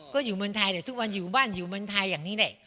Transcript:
ก็อยู่เมืองไทยแหละทุกวันอยู่บ้านอยู่เมืองไทยอย่างนี้แหละ